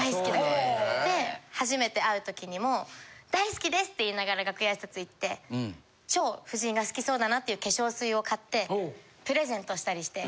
で初めて会うときにも「大好きです」って言いながら楽屋挨拶いって超夫人が好きそうだなっていう化粧水を買ってプレゼントしたりして。